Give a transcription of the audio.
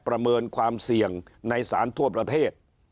ประเมินความเสี่ยงในสารทั่วประเทศ